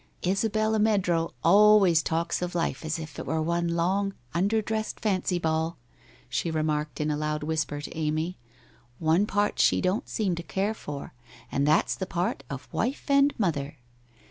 1 Isabella Meadrow always talks of life as if it were one long, under dressed, fancy ball/ she remarked in a loud whisper to Amy. ' One part she don't seem to care for — and that's the part of wife and mother!